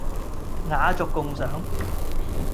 雅俗共賞